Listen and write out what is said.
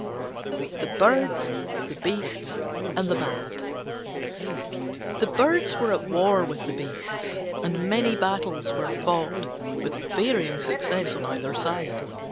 THE BIRDS, THE BEASTS, AND THE BAT The Birds were at war with the Beasts, and many battles were fought with varying success on either side.